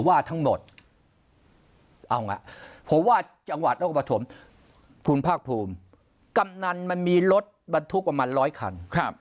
วันนั้นมันมีรถบรรทุกประมาณร้อยคันครับ